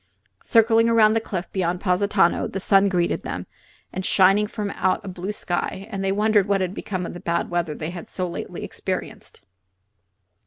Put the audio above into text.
Circling around the cliff beyond Positano the sun greeted them, shining from out a blue sky, and they wondered what had become of the bad weather they had so lately experienced.